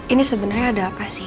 ini sebenarnya ada apa sih